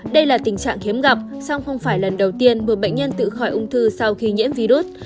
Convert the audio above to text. đây là tình trạng hiếm gặp song không phải lần đầu tiên một bệnh nhân tự khỏi ung thư sau khi nhiễm virus